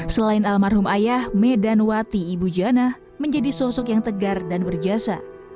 selain almarhum ayah medan wati ibu jana menjadi sosok yang tegar dan berjasa